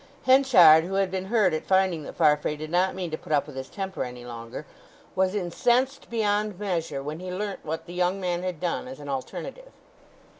Henchard, who had been hurt at finding that Farfrae did not mean to put up with his temper any longer, was incensed beyond measure when he learnt what the young man had done as an alternative.